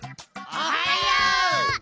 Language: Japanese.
おはよう！